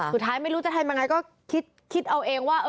ไม่รู้จะทำยังไงก็คิดเอาเองว่า